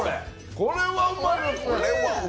これはうまいっ！